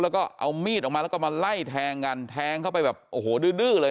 แล้วก็เอามีดออกมาแล้วก็มาไล่แทงกันแทงเข้าไปแบบโอ้โหดื้อเลย